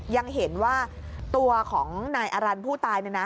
ยังเห็นว่าตัวของนายอารันท์ผู้ตาย